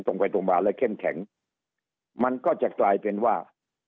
ตรงไปตรงมาและเข้มแข็งมันก็จะกลายเป็นว่า